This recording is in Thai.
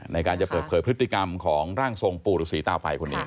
ในการจะเปิดเผยพฤติกรรมของร่างทรงปู่ฤษีตาไฟคนนี้